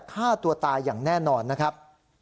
ฆ่าตัวตายอย่างแน่นอนนะครับ